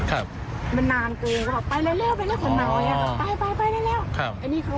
แล้วเล่าไปนะขนาวไปเร็ว